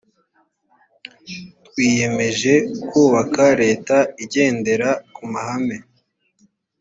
twiyemeje kubaka leta igendera ku mahame